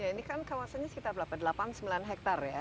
ya ini kan kawasannya sekitar berapa delapan sembilan hektar ya